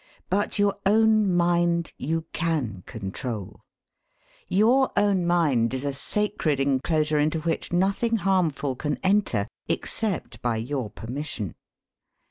But your own mind you can control. Your own mind is a sacred enclosure into which nothing harmful can enter except by your permission.